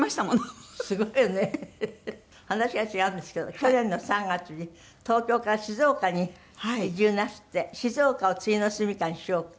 話が違うんですけど去年の３月に東京から静岡に移住なすって静岡を終の棲家にしようと？